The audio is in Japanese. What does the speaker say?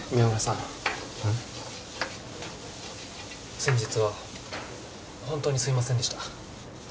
先日は本当にすいませんでした。